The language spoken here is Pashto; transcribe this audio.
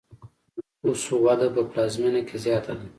د نفوسو وده په پلازمینه کې زیاته ده.